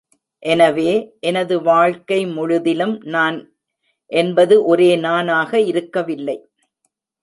எனவே, எனது வாழ்க்கை முழுதிலும் நான் என்பது ஒரே நானாக இருக்கவில்லை.